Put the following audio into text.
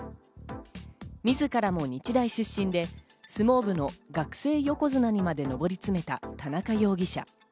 自らも日大出身で、相撲部の学生横綱まで上り詰めた田中容疑者。